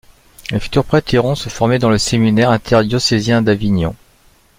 Les futurs prêtres iront se former dans le séminaire inter-diocésain d'Avignon.